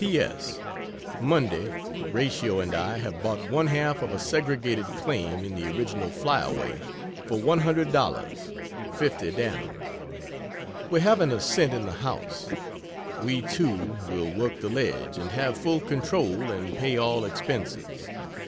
P. S. Monday Ratio and I have bought one half of a segregated claim in the original "Flyaway," for $100 $50 down. We haven't a cent in the house. We two will work the ledge, and have full control, and pay all expenses.